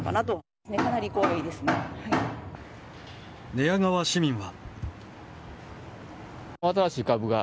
寝屋川市民は。